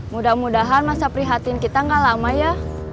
mudah mudahan masa prihatin kita gak lama ya